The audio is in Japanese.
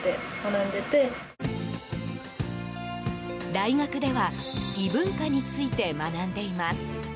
大学では異文化について学んでいます。